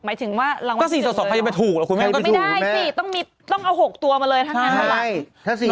หมายถึงว่าลำไว้๔๒๒เลยหรอไม่ได้สิต้องเอา๖ตัวมาเลยทั้งนั้นค่ะใช่